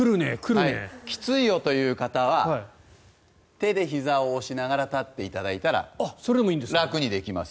きついよという方は手でひざを押しながら立っていただいたら楽にできます。